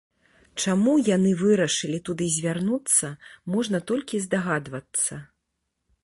Чаму яны вырашылі туды звярнуцца, можна толькі здагадвацца.